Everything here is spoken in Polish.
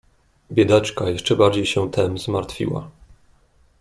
"Biedaczka jeszcze bardziej się tem zmartwiła."